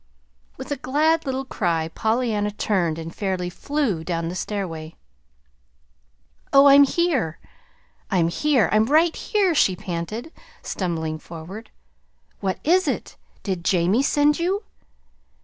With a glad little cry Pollyanna turned and fairly flew down the stairway. "Oh, I'm here, I'm here, I'm right here!" she panted, stumbling forward. "What is it? Did Jamie send you?"